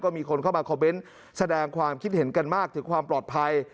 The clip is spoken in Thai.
มีคนเข้ามาคอมเมนต์แสดงความคิดเห็นกันมากถึงความปลอดภัย